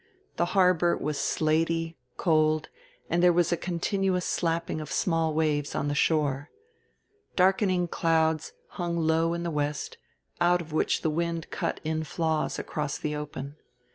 The harbor was slaty, cold, and there was a continuous slapping of small waves on the shore. Darkening clouds hung low in the west, out of which the wind cut in flaws across the open.